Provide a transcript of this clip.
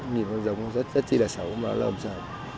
nhìn con giống nó rất rất chi là xấu mà nó lồm sờ